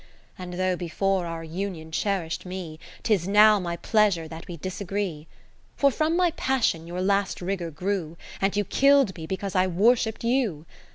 And though before our union cherish'd me, 'Tis now my pleasure that we disagree. For from my passion your last rigour grew. And you kill'd me because I worshipp'd you.